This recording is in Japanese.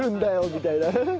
みたいな。